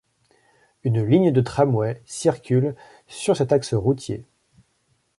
Une ligne de tramway circule sur cet axe routier.